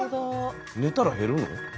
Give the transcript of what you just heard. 寝たら減るの？